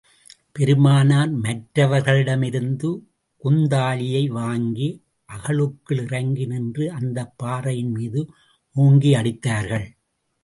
பெருமானார் மற்றவர்களிடமிருந்து குந்தாலியை வாங்கி, அகழுக்குள் இறங்கி நின்று அந்தப் பாறையின் மீது ஓங்கி அடித்தார்கள்.